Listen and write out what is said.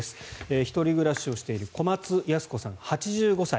１人暮らしをしている小松ヤス子さん、８５歳。